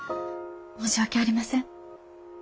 申し訳ありません。